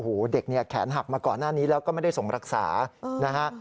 โอ้โหเด็กเนี่ยแขนหักมาก่อนหน้านี้แล้วก็ไม่ได้ส่งรักษานะฮะ